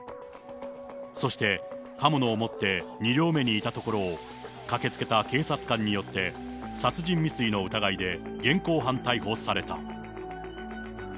そして刃物を持って２両目にいたところを、駆けつけた警察官によって、殺人未遂の疑いで現行犯逮捕された。